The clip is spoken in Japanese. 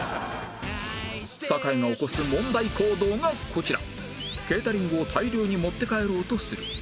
坂井が起こす問題行動がこちら